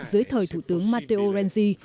dưới thời thủ tướng matteo renzi